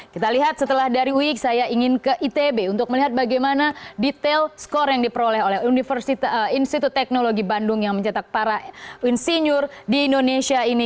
kita lihat setelah dari ui saya ingin ke itb untuk melihat bagaimana detail skor yang diperoleh oleh institut teknologi bandung yang mencetak para insinyur di indonesia ini